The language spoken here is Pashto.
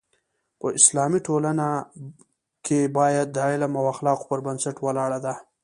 په اسلام کې ټولنه باید د علم او اخلاقو پر بنسټ ولاړه ده.